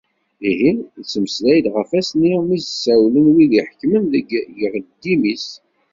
Ihi, ittmeslay-d ɣef wass-is, mi d as-d-ssawlen wid t-iḥekmen deg yiɣeddim-is.